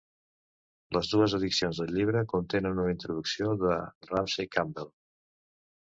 Les dues edicions del llibre contenen una introducció de Ramsey Campbell.